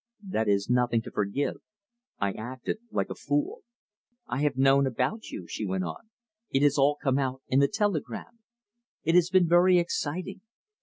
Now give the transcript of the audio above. "That is nothing to forgive. I acted like a fool." "I have known about you," she went on. "It has all come out in the Telegram. It has been very exciting.